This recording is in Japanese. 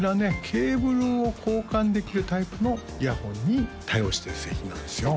ケーブルを交換できるタイプのイヤホンに対応してる製品なんですよ